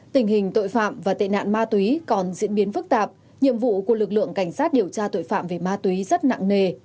tình hình tội phạm và tệ nạn ma túy còn diễn biến phức tạp nhiệm vụ của lực lượng cảnh sát điều tra tội phạm về ma túy rất nặng nề